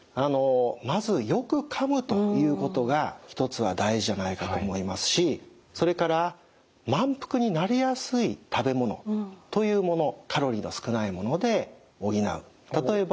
まずよくかむということが一つは大事じゃないかと思いますしそれから満腹になりやすい食べ物というものカロリーの少ないもので補う。